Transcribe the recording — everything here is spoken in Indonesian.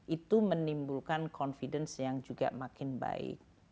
itu menimbulkan confidence yang juga makin baik